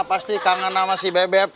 pasti kangen sama si bebek